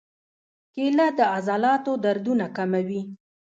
کېله د عضلاتو دردونه کموي.